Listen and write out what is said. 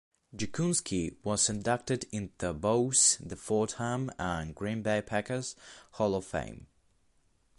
Jacunski was inducted into both the Fordham and Green Bay Packers Hall of Fame.